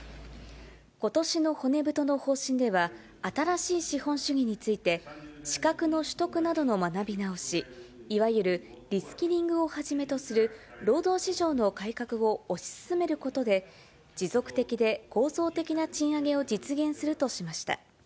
ことしの骨太の方針では、新しい資本主義について、資格の取得などの学び直し、いわゆるリスキリングをはじめとする労働市場の改革を推し進めることで、持続的で構造的な賃上げを実現するとしました。